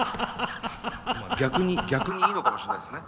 逆にいいのかもしれないですね。